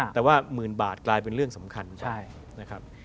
แต่ว่าหมื่นบาทกลายเป็นเรื่องสำคัญนะครับ